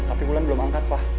tapi bulan belum angkat pak